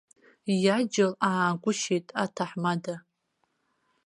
Иаџьал аагәышьеит аҭаҳмада!